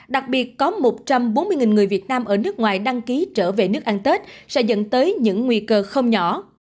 đặc biệt có một trăm bốn mươi người việt nam ở nước ngoài đăng ký trở về nước ăn tết sẽ dẫn tới những nguy cơ không nhỏ